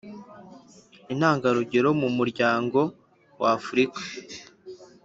Intangarugero mu muryango wa africa